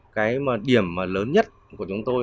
cái điểm lớn nhất của chúng tôi